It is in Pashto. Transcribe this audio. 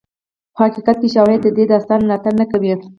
خو حقیقت کې شواهد د دې داستان ملاتړ نه کوي.